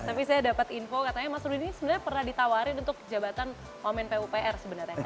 tapi saya dapat info katanya mas rudy ini sebenarnya pernah ditawarin untuk jabatan wamen pupr sebenarnya